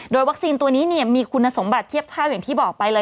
โดยวัคซีนตัวนี้มีคุณสมบัติเทียบเท่าอย่างที่บอกไปเลย